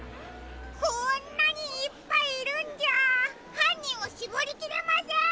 こんなにいっぱいいるんじゃはんにんをしぼりきれません！